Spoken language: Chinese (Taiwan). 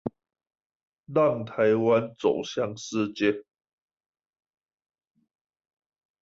讓臺灣走向世界